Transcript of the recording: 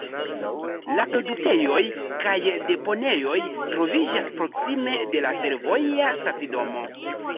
La produktejoj kaj deponejoj troviĝas proksime de la fervoja stacidomo.